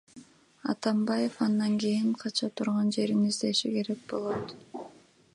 Атамбаев андан кийин кача турган жерин издеши керек болот.